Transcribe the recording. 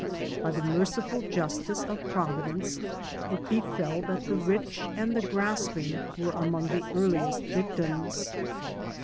By the merciful justice of Providence it befell that the rich and the grasping were among the earliest victims.